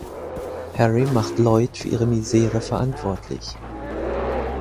Harry macht Lloyd für ihre Misere verantwortlich.